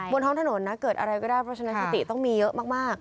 บนท้องถนนนะเกิดอะไรก็ได้เพราะฉะนั้นสติต้องมีเยอะมาก